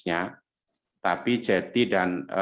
nya tapi jetty dan